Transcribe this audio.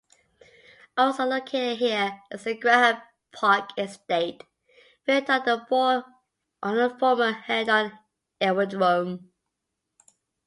Also located here is the Grahame Park Estate, built on the former Hendon Aerodrome.